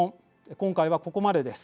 今回はここまでです。